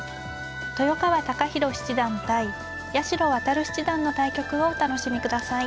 豊川孝弘七段対八代弥七段の対局をお楽しみください。